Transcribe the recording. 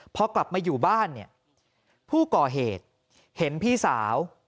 พอกลับมาอยู่บ้านเนี่ยผู้ก่อเหตุเห็นพี่สาว